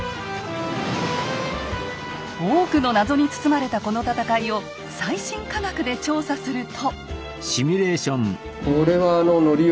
多くの謎に包まれたこの戦いを最新科学で調査すると。